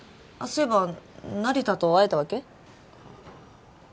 そういえば成田と会えたわけ？